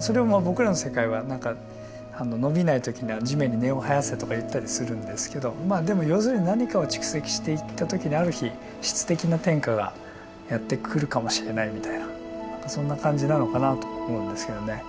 それをまあ僕らの世界は何か「伸びない時には地面に根を生やせ」とか言ったりするんですけどでも要するに何かを蓄積していった時にある日質的な転化がやって来るかもしれないみたいな何かそんな感じなのかなと思うんですけどね。